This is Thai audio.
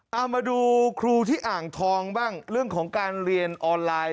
เอามาดูครูที่อ่างทองบ้างเรื่องของการเรียนออนไลน์